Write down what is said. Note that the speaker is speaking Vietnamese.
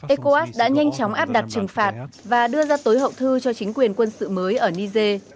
ecowas đã nhanh chóng áp đặt trừng phạt và đưa ra tối hậu thư cho chính quyền quân sự mới ở niger